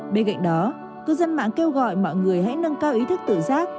bên cạnh đó cư dân mạng kêu gọi mọi người hãy nâng cao ý thức tự giác